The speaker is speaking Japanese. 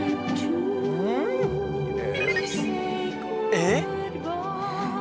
えっ？